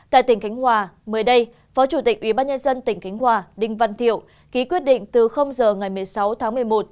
tại tỉnh khánh hòa mới đây phó chủ tịch ubnd tỉnh khánh hòa đinh văn thiệu ký quyết định từ giờ ngày một mươi sáu tháng một mươi một